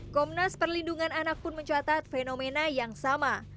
komnas perlindungan anak pun mencatat fenomena yang sama